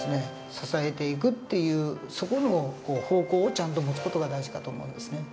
支えていくっていうそこの方向をちゃんと持つ事が大事かと思うんですね。